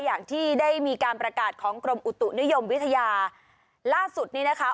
อย่างที่ได้มีการประกาศของกรมอุตุนิยมวิทยาล่าสุดนี้นะคะ